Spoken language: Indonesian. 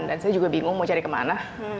dan saya juga bingung mau cari kemana